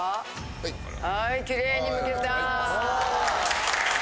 はいきれいにむけた！